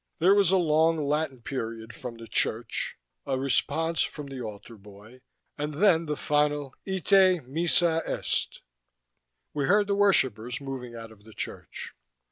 There was a long Latin period from the church, a response from the altar boy, and then the final Ite, missa est. We heard the worshippers moving out of the church.